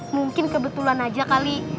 mungkin kebetulan aja kali